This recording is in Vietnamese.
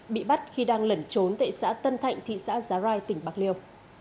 bị bắt khi đang lẩn trốn tại xã tân thạnh thị xã giá rai tỉnh bạc liêu